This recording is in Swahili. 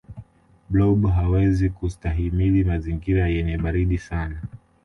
blob hawezi kustahimili mazingira yenye baridi sana